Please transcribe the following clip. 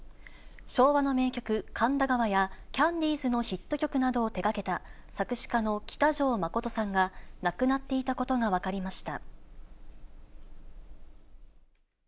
昭和の名曲、神田川や、キャンディーズのヒット曲などを手がけた作詞家の喜多條忠さんが、亡くなっていたことが分かりました。